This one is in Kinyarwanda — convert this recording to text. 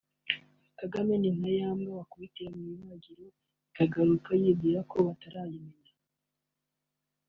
“Kagame ni nka ya mbwa bakubitira mw’ Ibagiro ikagaruka yibwira ko batarayimenya”